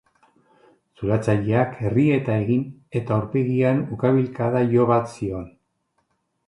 Zulatzaileak errieta egin, eta aurpegian ukabilkada jo bat zion.